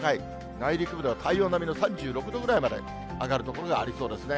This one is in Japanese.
内陸部では体温並みの３６度まで上がる所がありそうですね。